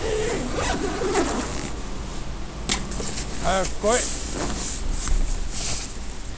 早く来い。